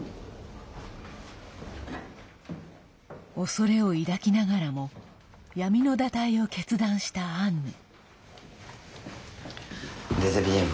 恐れを抱きながらも闇の堕胎を決断したアンヌ。